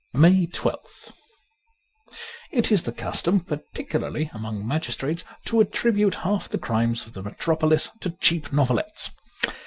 '' M3 MAY 1 2th IT is the custom, particularly among magis trates, to attribute half the crimes of the Metropolis to cheap novelettes.